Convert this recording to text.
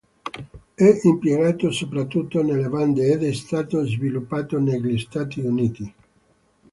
È impiegato soprattutto nelle bande ed è stato sviluppato negli stati uniti.